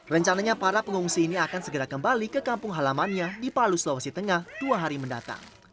rencananya para pengungsi ini akan segera kembali ke kampung halamannya di palu sulawesi tengah dua hari mendatang